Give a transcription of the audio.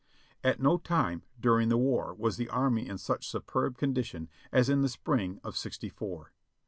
At no time during the war was the army in such superb condi tion as in the spring of sixty four.